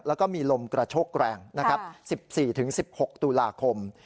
แล้วก็มีลมกระโชคแรง๑๔๑๖ตุลาคม